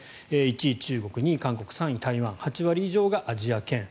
１位、中国、２位、韓国３位、台湾８割以上がアジア圏